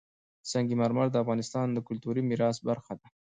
سنگ مرمر د افغانستان د کلتوري میراث برخه ده.